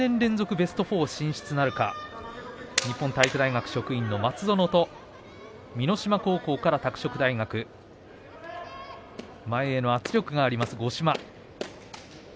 ベスト４進出なるか日本体育大学職員の松園と箕島高校から拓殖大学前への圧力がある五島。